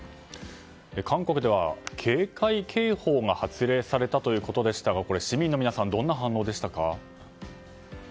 韓国では警戒警報が発令されたということでしたが市民の皆さんどんな反応でしたか？